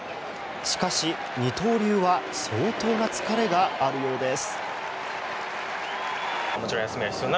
しかし、二刀流は相当な疲れがあるようです。